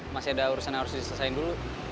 masih ada urusan yang harus diselesaikan dulu